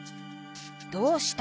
「どうした」？